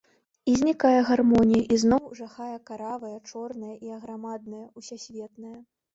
І знікае гармонія, ізноў жахае каравае, чорнае і аграмаднае, усясветнае.